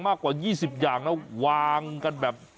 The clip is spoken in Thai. มากกว่า๒๐อย่างนะวางกันแบบ